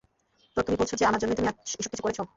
তো, তুমি বলছো যে আমার জন্যই তুমি এসবকিছু করেছো?